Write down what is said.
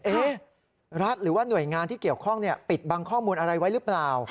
รัฐหรือว่าหน่วยงานที่เกี่ยวข้องปิดบังข้อมูลอะไรไว้หรือเปล่า